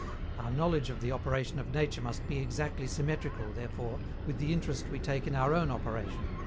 Our knowledge of the operation of nature must be exactly symmetrical, therefore, with the interest we take in our own operation.